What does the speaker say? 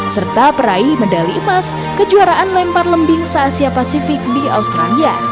serta peraih medali emas kejuaraan lempar lembing se asia pasifik di australia